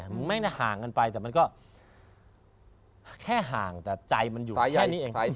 มันไม่ได้ห่างกันไปแต่มันก็แค่ห่างแต่ใจมันอยู่แค่นี้เอง